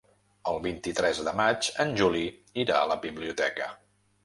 El vint-i-tres de maig en Juli irà a la biblioteca.